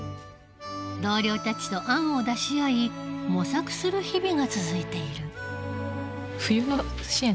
同僚たちと案を出し合い模索する日々が続いている。